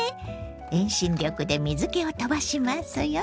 遠心力で水けを飛ばしますよ。